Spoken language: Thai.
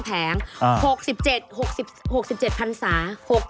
๖๗ผัดสา